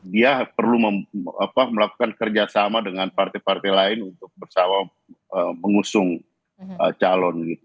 dia perlu melakukan kerjasama dengan partai partai lain untuk bersama mengusung calon